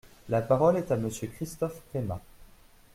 La parole est à Monsieur Christophe Premat.